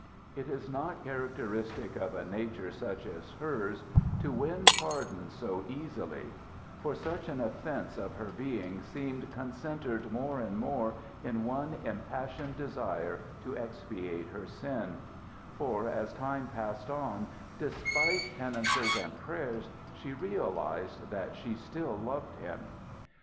It is not characteristic of a nature such as hers to win pardon so easily for such an offence of her being seemed concentred more and more in one impassioned desire to expiate her sin; for, as time passed on, despite penances and prayers, she realized that she still loved him.